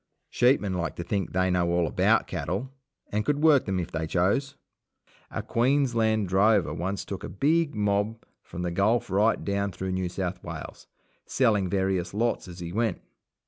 Sheepmen like to think that they know all about cattle, and could work them if they chose. A Queensland drover once took a big mob from the Gulf right down through New South Wales, selling various lots as he went.